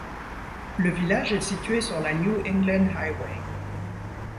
Le village est situé sur la New England Highway.